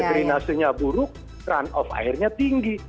dan drenasenya buruk run of airnya tinggi